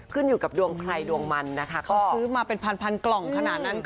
ขึ้นอยู่กับดวงใครดวงมันนะคะเขาซื้อมาเป็นพันกล่องขนาดนั้นค่ะ